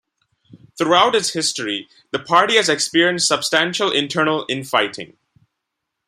Throughout its history, the party has experienced substantial internal infighting.